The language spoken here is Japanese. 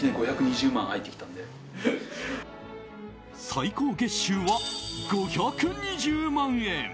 最高月収は５２０万円！